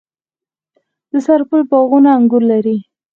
د سرپل باغونه انګور لري.